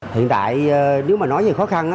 hiện tại nếu mà nói về khó khăn